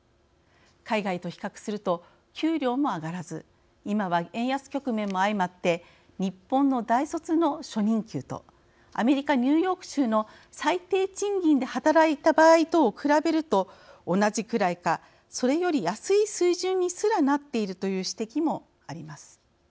海外と比較すると給料も上がらず今は円安局面も相まって日本の大卒の初任給とアメリカ、ニューヨーク州の最低賃金で働いた場合とを比べると同じぐらいかそれより安い水準にすらなっているという指摘もあります。